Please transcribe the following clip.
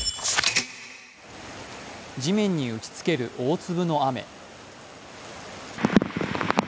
地面に打ちつける大粒の雨。